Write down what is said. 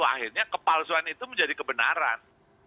akhirnya kepalsuan itu menjadi kebenaran